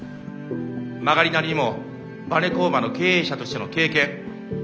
曲がりなりにもバネ工場の経営者としての経験